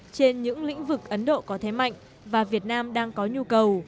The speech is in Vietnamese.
trên những lĩnh vực ấn độ có thế mạnh và việt nam đang có nhu cầu